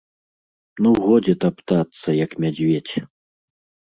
Ну, годзе таптацца, як мядзведзь.